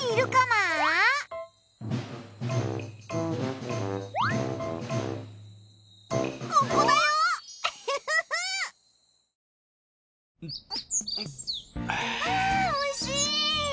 あぁおいしい。